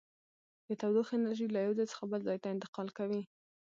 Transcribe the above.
د تودوخې انرژي له یو ځای څخه بل ځای ته انتقال کوي.